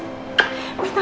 mama kangen banget